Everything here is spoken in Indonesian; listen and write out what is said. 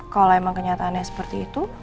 kalau emang kenyataannya seperti itu